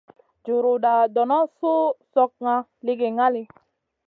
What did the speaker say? Juruda dono suh slokŋa ligi ŋali.